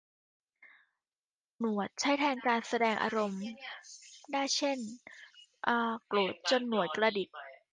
หนวดใช้แทนการแสดงอารมณ์ได้ เช่น โกรธจนหนวดกระดิก